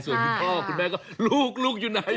ส่วนคุณพ่อคุณแม่ก็ลูกอยู่ไหน